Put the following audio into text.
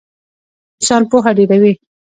انسان پوهه ډېروي